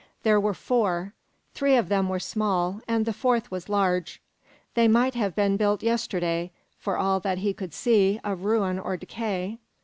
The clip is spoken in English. There were four. Three of them were small, and the fourth was large. They might have been built yesterday, for all that he could see of ruin or decay.